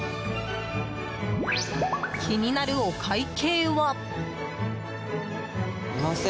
気になるお会計は。